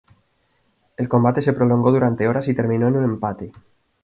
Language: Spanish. El combate se prolongó durante horas y terminó en un empate.